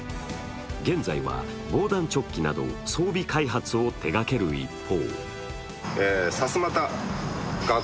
現在は防弾チョッキなど装備開発を手がける一方